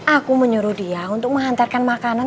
aku menyuruh dia untuk menghantarkan makanan